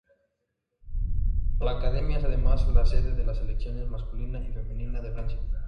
La academia es además la sede de las selecciones masculina y femenina de Francia.